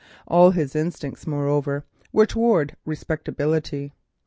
All his instincts, also, were towards respectability.